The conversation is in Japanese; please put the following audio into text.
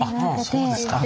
そうですか。